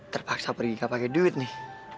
terpaksa pergi gak pakai duit nih